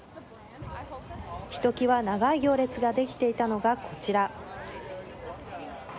ひときわ長い行列が出来ていたのが、こちら。